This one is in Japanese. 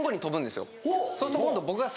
そうすると今度僕が。